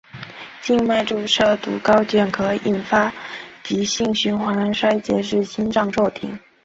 静脉注射毒蕈碱可以引发急性循环衰竭至心脏骤停。